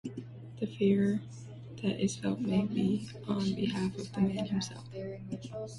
The fear that is felt may be on behalf of the man himself.